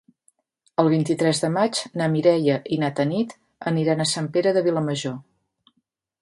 El vint-i-tres de maig na Mireia i na Tanit aniran a Sant Pere de Vilamajor.